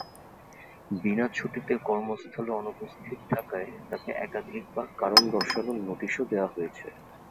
বিনা ছুটিতে কর্মস্থলে অনুপস্থিত থাকায় তাঁকে একাধিকবার কারণ দর্শানোর নোটিশও দেওয়া হয়েছে।